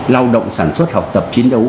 lao động sản xuất học tập chiến đấu